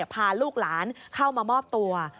พาลูกหลานเข้ามามอบตัว